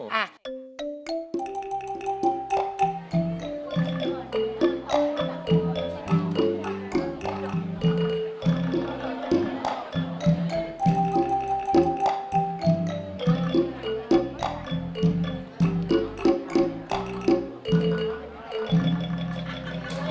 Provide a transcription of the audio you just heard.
เฮ้ย